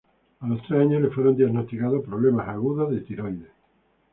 A los tres años le fueron diagnosticados problemas agudos de tiroides.